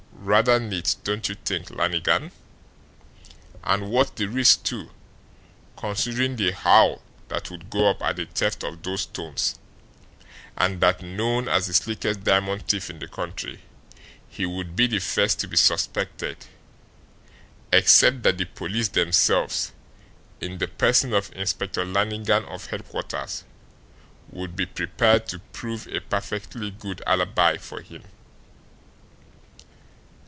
Rather neat, don't you think, Lannigan? And worth the risk, too, considering the howl that would go up at the theft of those stones, and that, known as the slickest diamond thief in the country, he would be the first to be suspected except that the police themselves, in the person of Inspector Lannigan of headquarters, would be prepared to prove a perfectly good alibi for him."